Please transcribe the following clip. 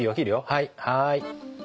はいはい。